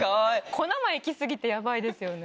小生意気過ぎてヤバいですよね。